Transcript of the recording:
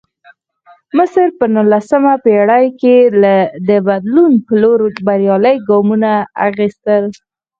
مصر په نولسمه پېړۍ کې د بدلون په لور بریالي ګامونه اخیستل.